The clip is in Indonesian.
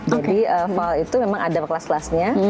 jadi fall itu memang ada kelas kelasnya